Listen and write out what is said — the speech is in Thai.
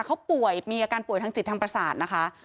เขาป่วยมีอาการป่วยทางจิตทางประสาทนะคะ